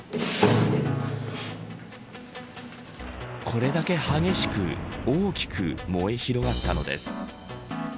これだけ激しく大きく燃え広がったのです。